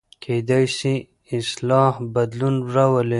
کېدای سي اصلاح بدلون راولي.